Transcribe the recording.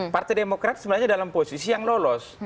partai demokrat sebenarnya dalam posisi yang lolos